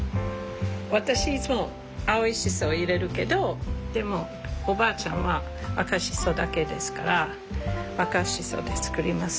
私いつも青いシソ入れるけどでもおばあちゃんは赤シソだけですから赤シソで作ります。